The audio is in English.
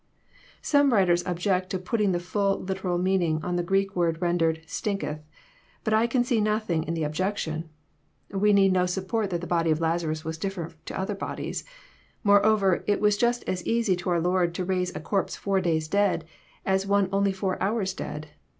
Some writers object to putting the fhll literal meaning on the Greek word rendered <* stinketh; " but I can see nothing in the objection. We need not suppose that the body of Lazarus was different toother bodies. Moreover, it was just as easy to our Lord to raise a corpse four days dead, as one only four hours dead.